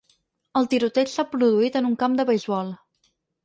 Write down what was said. El tiroteig s’ha produït en un camp de beisbol.